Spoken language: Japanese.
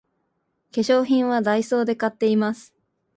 化粧品はダイソーで買っています